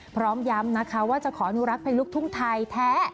พร้อมย้ำนะคะว่าจะขออนุรักษ์เพลงลูกทุ่งไทยแท้